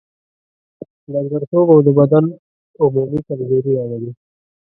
ډنګرتوب او د بدن عمومي کمزوري راولي.